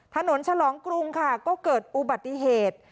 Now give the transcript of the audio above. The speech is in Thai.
ฉลองกรุงค่ะก็เกิดอุบัติเหตุ